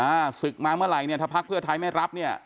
ศึกมาเมื่อไหร่เนี่ยถ้าพักเพื่อไทยไม่รับเนี่ย